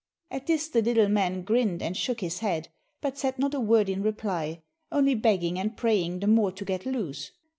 At this the little man grinned and shook his head, but said not a word in reply, only begging and praying the more to get loose.